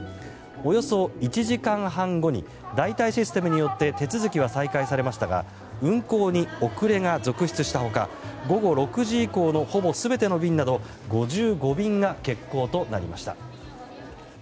およそ１時間半後に代替システムによって手続きは再開されましたが運航に遅れが続出した他午後６時以降のほぼ全ての便など５５便が欠航となりました。